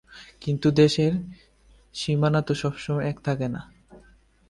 কিন্তু, দেশের সীমানা তো সবসময় এক থাকে না।